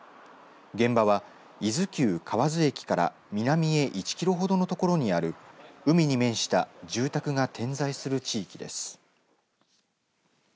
現場は、伊豆急、河津駅から南へ１キロほどの所にある海に面した住宅が点在する地域です。